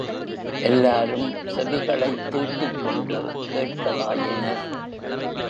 எல்லாரும் செவிகளைத் தீட்டிக்கொண்டு கேட்கலாயினர்.